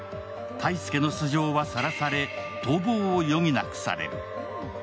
泰介の素性はさらされ、逃亡を余儀なくされる。